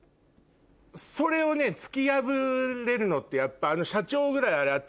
それを突き破れるのってやっぱあの社長ぐらい頭